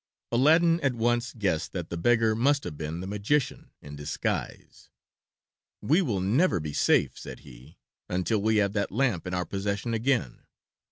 Aladdin at once guessed that the beggar must have been the magician in disguise. "We will never be safe," said he, "until we have that lamp in our possession again.